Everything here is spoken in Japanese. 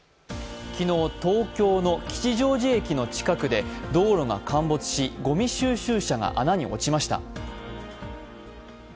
昨日、東京の吉祥寺駅の近くで道路が陥没し、ごみ収集車が穴に落ちました。